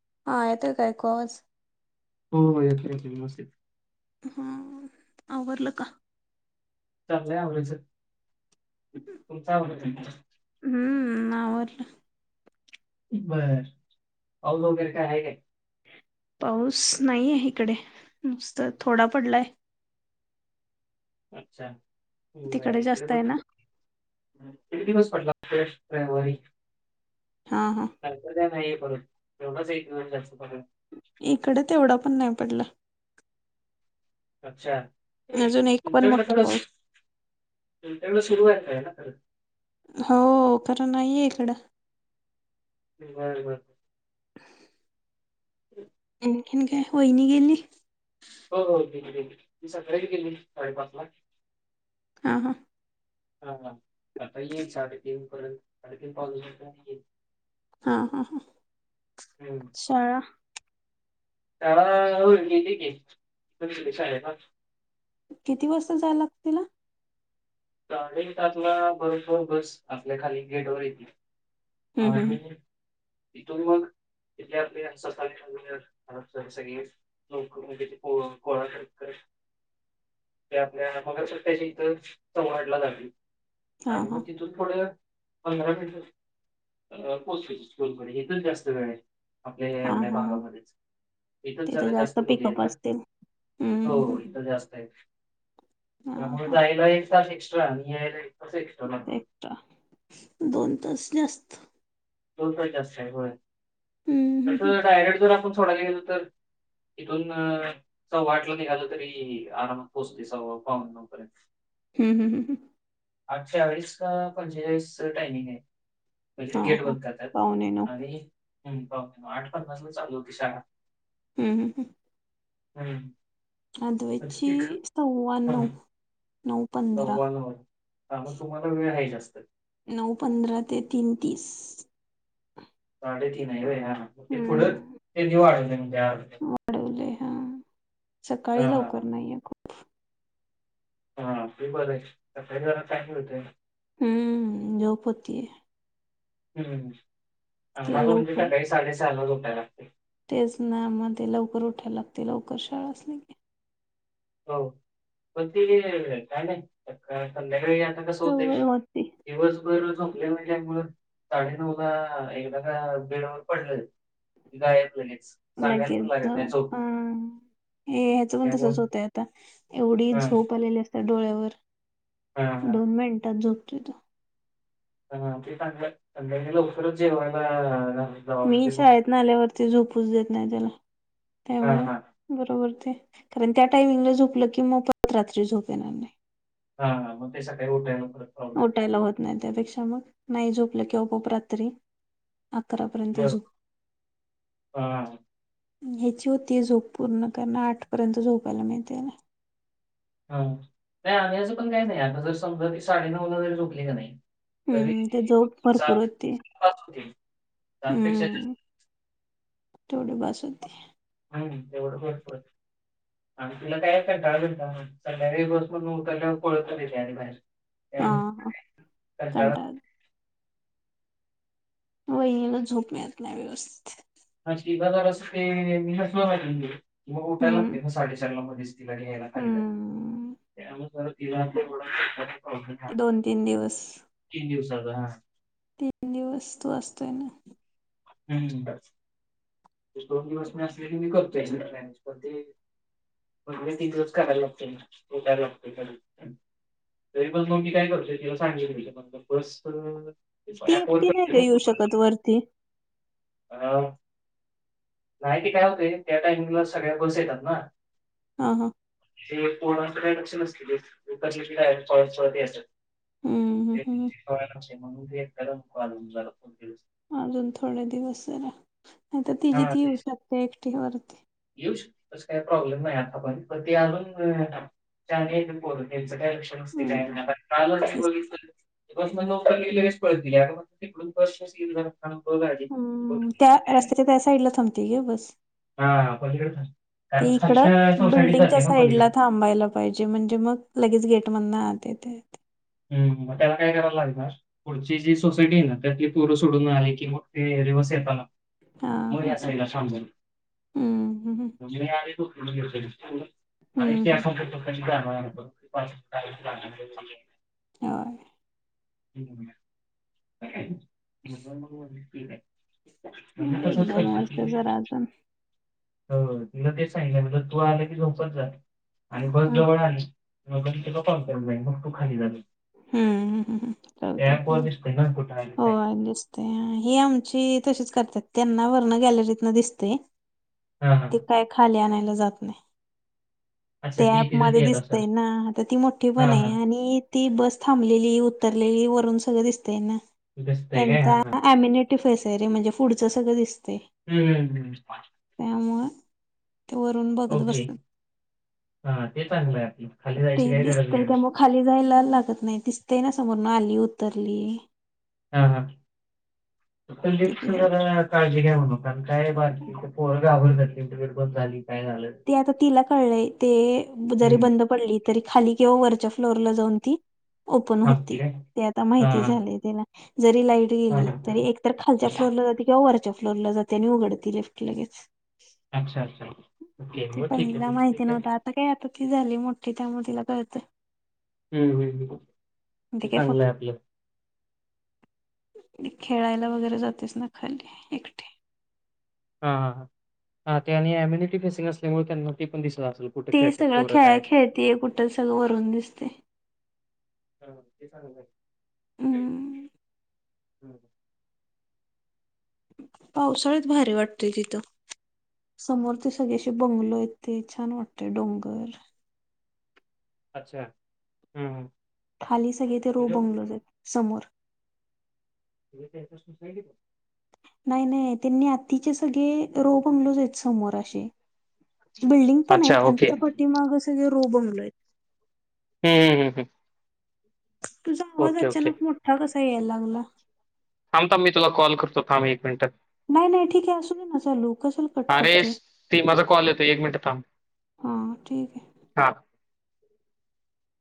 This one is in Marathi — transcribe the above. [inaudible] हा येत काय कॉज [inaudible] हो हो या खरच मस् [inaudible] हा आवरलं का [inaudible] चाललंय आवडचं तुमच आवडत [inaudible] हम्म ना वरल [inaudible] एक बर अगैर काय आहे का [inaudible] पाऊस नाही आहे इकडे नुसत थोडा पडलाय [inaudible] अच्छा तिकडे जास्त आहे ना इडेण [inaudible] ेस्मरी हा हा. नाही [inaudible] बर तेवढच [inaudible] इकडे ते एवढा पण नाही पडला [inaudible] अच्छा अजून एक पण तुमच्याकडे मोठा रंच पाऊस तुमच्याकडे [inaudible] तिूय काय ना [inaudible] हो खं नाहीे इकडं [inaudible] बर बर ब [inaudible] आनकीन काय वहिनी गेली [inaudible] हो हो गेली गेली सकाळी गेली साडेपाच ला [inaudible] हा हा [inaudible] हा आता येईल साडेतीन पर्यंत साडेतीन पाऊर्यंत येईल [inaudible] हा हा हा शाळा त्याला होती की [inaudible] [inaudible] किती वाजता जायला लागत तिला साडे सात ला आपला बरोबर बस आपल्या खाली गेटवरर येते [inaudible] हम्म हम्म ह हम्म. इथून मघ [inaudible] तिथले आपले सगळे लोकथे कोळा करत करत ते आपल्या मग्याशी इथ चौराटला लागली हा आणि हा मग तिथून थोडं पंधरा मिट अ पो स्कूलकडे इथ जास्त वेळ आहे आपल्या हा एवढ्या हा हा भागामध्येच इथंच तिथे झारा जास्त मुग आहेत पिकअप ना असतील. हम्म हम्म हो इथं जास्त आहे हा हा त्यामुळेयला एक तास एक्स्ट्रा आणि यायला तास एक्स्ट्रा लागतो एकट दोन तास जास्त दोन पण जास्त आहे होय हम्म हम्म तस हम्म जर डायरेक्ट जर आपण थोडा गेलो तर इथून सव्वा आठला वाटलं निघालं तरी आरामात पोहोचते सव्वा पावन नऊ पर्यंत हम्म हम्म हम्म आठ चाळीस का पंचेचाळीस टायमिंग आहे म्हणजे हां, गेट हां. बंद पावणे नऊ हम्म पावणे नऊ आठ पाच वाजला चालू होती शाळा हम्म हम्म हम्म अद्वेतची सव्वा हं, नऊ सव्वा नऊ हा मग तुम्हाला वेळ ह्याय जास्त नऊ पंधरा ते तीन तीस साडेतीन आहे व्हय हा ते थोडं हं. त्यांनी वाढवल मग त्या वाढवलंय हां. सकाळी लवकर नाहीये हा ते बरं आहे सकाळी जरा हम्म झोप होती ये हम्म रोज लवकर सकाळी साडेसहाला उठता का तुम्ही? तेच ना मध्ये लवकर उठाया लागते लवकर शाळा असली की हो पण ते काही नाही संध्याकाळी ते आता कस होतय सवय होती दिवसभर झोपले म्हणजे साडे नऊ ला एकदा का बेडवर पडलं जायाचं नाही लगेच जाऊ झोप हा हे ह्याचं पण त्यामुळं तसच होतंय आता एवढी हां झोप आलेली असते डोळ्यावर हां हां. दोन मिनिटात झोपतो तो संध्याकाळी परत जेवायला जावा म्हणजे मी मग शाळेत न आल्यावरती झोपूच देत नाही त्याला हां त्यामुळ हां. बरोबर ते कारण त्या टाइमिंगला झोपलं की मग परत रात्री झोप येणार नाही. हा ह म ते सकाळी उठल्यावर उठायला होत नाही त्यापेक्षा मग नाही झोपलं किंवा खूप रात्री अकरापर्यंत बरोबर झोप हां ह्याची होतीय झोप पूर्ण कारण आठ पर्यंत झोपायला मिळतय ना हा नाही आम्ही असं पण काहीच नाही आता जर समजा ती साडे नऊला जरी झोपली का नाही तरी हम्म ते झोप भरपूर सात होती सातलाच उठेल त्यापेक्षा हम्म तेवढी बस होती नाही नाही तेवढं बरं वाटतं नाही नाही आणि तिला काही कंटाळा बिंटाळा नाही सकाळी लवकर उठायचं आणि ऍडमिट हा कंटाळा व नियमित झोप मिळत नाही व्यवस्थित मग उठायला हम्म साडेचारला मध्येच तिला घ्यायला खाली जाते हम्म त्यामुळे तिला थोडं हो दोन तीन दिवस तीन दिवसाचा हा तीन दिवस तू असतोय ना हम्म बस मी दोन दिवस मी असले की मी करतो एकटा मॅनेज पण ते म्हणजे तिथच करायला लागतय लागतेय तरी पण मगं मी काय करतो तिला सांगेन मी ती एकटी नाही ग येऊ शकत वरती [unintelligible] नाही ती काय होते त्या टाइमिंगला सगळ्या बस येतात ना हा हा ते कोणाच काय लक्ष नसतील कशे बी काय बी पळत पळत येतात. हम्म हम्म, हम्म. म्हणून एकदा अजून थोडे दिवस जरा नाही तर ती हा जिथी येऊ शकते एकटी वरती कस काय प्रॉब्लेम नाही आता आपण अजूनही बोलतच जात आहे लक्ष नसते काय हम्म. नाही कालच तेच. बघितले का नाही मग नोकरर लि लगेच पळतील म तिकडून फ येईल थांब बघ आधी. हम्म त्या रस्त्याच्या त्या साईडला थांबते गे बस.. हा पलीकडे ते कारण इकड साक्षा सोसायटीत बिल्डिंगच्या जाते ना साईड ला पलीकडे. थांबायला पाहिजे म्हणजे मगं लगेच गेल- [unintelligible] ह त्याला काय करायला लागणार पुढची जी सोसायटी आहे ना त्यातली पोर सोडून आली की मगं ते हा हा हा ला शजली हम्म हम्म म्ह या आणि हम्म ते हम्म. होय [unintelligible] [inaudible] म्हणजे एक दोन वर्ष जरा अजून हो तुला तेच सांगितलं म्हणज तू आलं की झोपत जा आणि हम्म बस जवळ आली [inaudible] आली हो काय दिसते हे आमची तशीच करतात त्यांना वर्ण गॅलरीत न दिसते हा हा ते काय खाल्या नाही जात नाही [unintelligible] [inaudible] [inaudible] तिथं येत म्हणजे असेल हा हा दिसतंय काय हा हा पुढचं सगं दिसतेय हम्म! त्यामुळे ते वरून बघत ओके बसतात हा ते चांगलं आहे आपलं खाली ते जायची काय गरज दिसतय नाही त्या मग खाली जायला लागत नाही दिसत दिसतंय ना समोरून आली उतरली हा हा ते लिफ्ट का नाही य म्हण कायो गार जात इंटरव्हट पण झाली काय झालं ते आता तिला कळलंय ते जरी हम्म बंद पडली तरी खाली किंवा वरच्या फ्लोरला जाऊन ती ओपन होती थांबती काय ते आता हा माहिती झाले त्याला जरी लाईट हा गेली तरी हा. एक तरर खालच्या फ्लोरला जात किंवा वरच्या [inaudible] अच्छा अच्छा! ओके ते मग ठीक पहिला आहे माहिती ठीक आहे नव्हत आता काय आता ती झाली मोठी त्यामुळे तिला कळत हम्म हम्म ते काय चांगलं फक्त आहे आपलं खेळायला वगैरे जातेच ना खाल्ली एकटे हा हा ते आणि एम्युनिटी फेसिंग असल्यामुळे त्यांना ते पण दिसणार ते सगळं खेळ खेळते कुठल सगळं वरून दिसते हम्म [inaudible] पावसाळ्यात भारी वाटतोय तिथं समोर ते सगळेशी बंगलो येते छान वाटते डोंगर अच्छा हम्म हम खाली सगळे ते रो बंगलोज आहेत समोर ली [unintelligible] नाही नाही त्येंनी आतिचे सगळे रो बमलोज आहेत समोर असे बिल्डिंग पण अच्छा आहेत आणि ओके त्याच्या हम्म, पाठीमाग सगळे रो बगलो आहेत हम्म हम हम् हम् तुझा आवाज अचानक मोठा कसा यायला लागला थांब थांब मी तुला कॉल करतो थाम एक मिनटं. नाही नाही ठीक आहे असूदे ना चालू कशाला कट अरे, करतोय. स- ती माझा कॉल येतोय मिनिट थांब. हा ठीक आहे. हां. [inaudible]